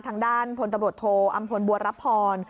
ทางด้านพลตำรวจโทอำพลบัวรับพร